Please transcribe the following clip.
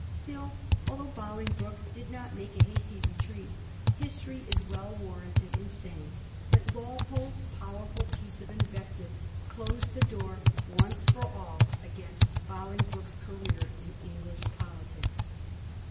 Still, although Bol ingbroke did not make a hasty retreat, history is well warranted in saying that Walpole's powerful piece of in vective closed the door once for all against Bolingbroke's career in English politics.